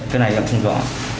cái này em không rõ